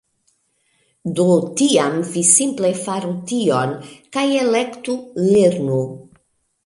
Do, tiam vi simple faru tion! kaj elektu "lernu"